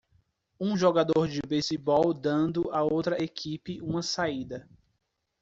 Um jogador de beisebol dando a outra equipe uma saída.